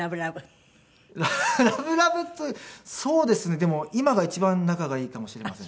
でも今が一番仲がいいかもしれません。